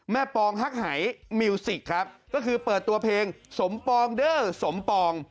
ปองฮักหายมิวสิกครับก็คือเปิดตัวเพลงสมปองเด้อสมปอง